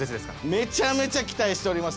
めちゃめちゃ期待しております。